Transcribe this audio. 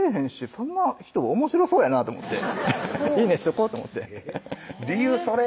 そんな人おもしろそうやなと思っていいねしとこうと思って理由それ？